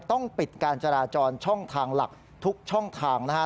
ต้องปิดการจราจรช่องทางหลักทุกช่องทางนะฮะ